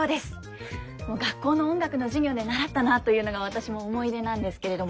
学校の音楽の授業で習ったなというのが私も思い出なんですけれども。